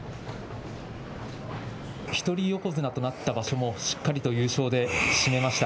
一人横綱となった場所もしっかりと優勝で締めました。